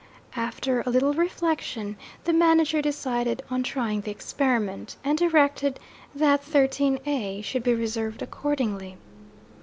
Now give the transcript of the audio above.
After a little reflection, the manager decided on trying the experiment, and directed that '13 A' should be reserved accordingly.